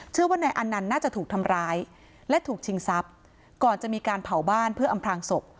เชื่อว่านายอันนั้นน่าจะถูกทำร้ายและถูกชิงทรัพย์ก่อนจะมีการเผาบ้านเพื่ออำพลางศพ